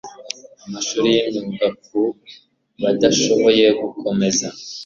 amashuri y imyuga ku badashoboye gukomeza